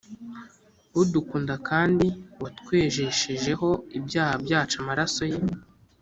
udukunda kandi watwejeshejeho ibyaha byacu amaraso ye,